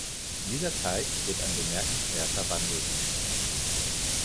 In dieser Zeit wird ein bemerkenswerter Wandel sichtbar.